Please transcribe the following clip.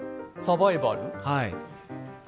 サバイバル。